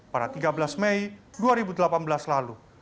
pada tiga belas mei dua ribu delapan belas lalu